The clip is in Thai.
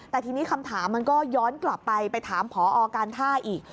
แต่ทีนี้คำถามมันก็ย้อนกลับไปไปถามผอการท่าอีก